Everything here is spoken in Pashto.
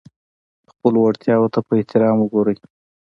خپلو وړتیاوو ته په احترام وګورئ.